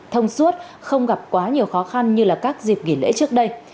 thông suốt không gặp quá nhiều khó khăn như các dịp nghỉ lễ trước đây